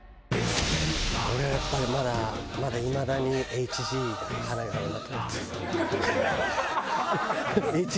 俺はやっぱりまだまだいまだにＨＧ華があるなと思ってる。